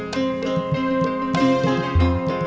bu pakai kuah ini